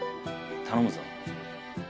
頼むぞ。